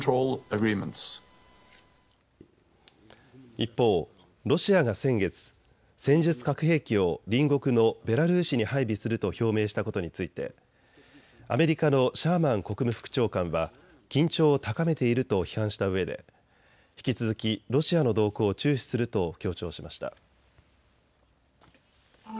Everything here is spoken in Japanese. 一方、ロシアが先月、戦術核兵器を隣国のベラルーシに配備すると表明したことについてアメリカのシャーマン国務副長官は緊張を高めていると批判したうえで引き続きロシアの動向を注視すると強調しました。